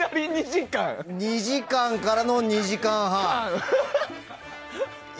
２時間からの２時間半。